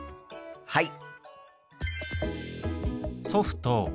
はい！